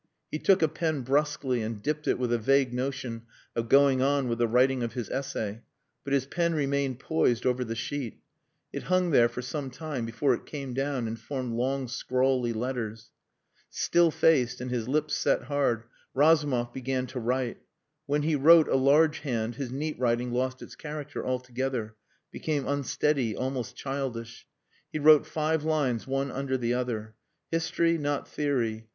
He took a pen brusquely and dipped it with a vague notion of going on with the writing of his essay but his pen remained poised over the sheet. It hung there for some time before it came down and formed long scrawly letters. Still faced and his lips set hard, Razumov began to write. When he wrote a large hand his neat writing lost its character altogether became unsteady, almost childish. He wrote five lines one under the other. History not Theory.